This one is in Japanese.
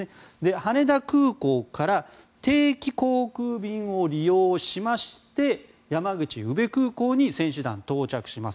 羽田空港から定期航空便を利用しまして山口宇部空港に選手団、到着します。